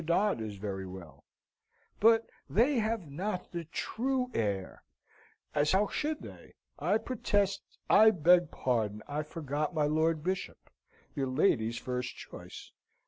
Dodd is very well; but they have not the true air as how should they? I protest, I beg pardon! I forgot my lord bishop, your ladyship's first choice.